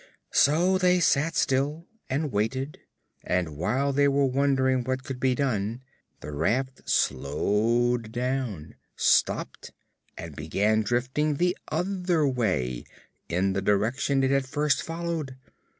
So they sat still and waited and, even while they were wondering what could be done, the raft slowed down, stopped, and began drifting the other way in the direction it had first followed.